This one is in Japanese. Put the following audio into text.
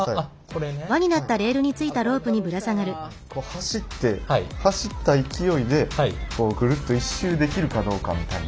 走って走った勢いでこうグルッと１周できるかどうかみたいな。